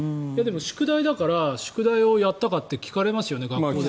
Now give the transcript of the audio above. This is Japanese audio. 宿題だから宿題やったかって聞かれますよね、学校で。